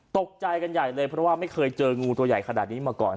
ตกใจกันใหญ่เลยเพราะว่าไม่เคยเจองูตัวใหญ่ขนาดนี้มาก่อน